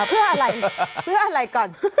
เร็วไหมล่ะครับเพื่ออะไรก่อน